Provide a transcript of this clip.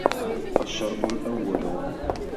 الشَّرْطُ الْأَوَّلُ